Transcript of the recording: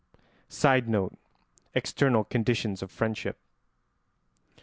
[Sidenote: External conditions of friendship.